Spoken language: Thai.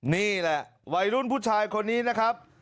นี่แหละวัยรุ่นผู้ชายคนนี้นะครับ